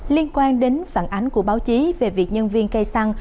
liên quan đến phản ánh của báo chí về việc nhân viên cây xăng